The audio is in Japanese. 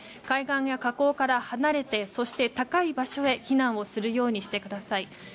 海岸や河口から離れてそして、高い場所へ避難をするようにしてください。